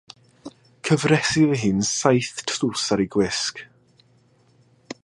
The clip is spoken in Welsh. Cyfrais i fy hun saith tlws ar ei gwisg.